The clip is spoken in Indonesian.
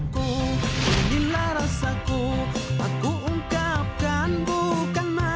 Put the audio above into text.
kok langsung dapat